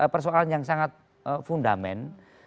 persoalan yang sangat fundament